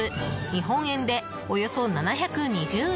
日本円でおよそ７２０円。